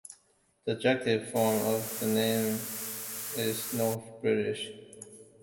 The adjective form of the name is "North British".